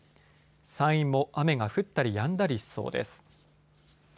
山陰も雨が降ったりやんだりしそうです。